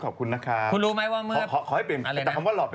กลัวว่าผมจะต้องไปพูดให้ปากคำกับตำรวจยังไง